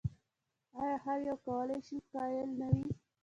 ایا هر یو کولای شي قایل نه وي؟